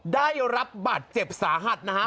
ได้รับบาดเจ็บสาหัสนะฮะ